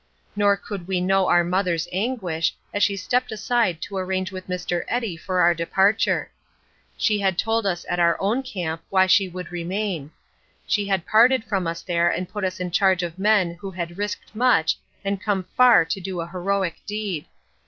Nor could we know our mother's anguish, as she stepped aside to arrange with Mr. Eddy for our departure. She had told us at our own camp why she would remain. She had parted from us there and put us in charge of men who had risked much and come far to do a heroic deed.